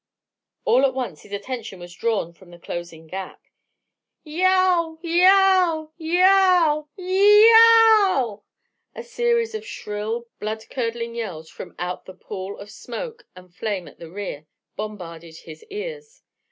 All at once his attention was drawn from the closing gap. "Yeow! Yeow! Yeow! Y e o w!" A series of shrill, blood curdling yells from out the pall of smoke and flame at the rear, bombarded his ears.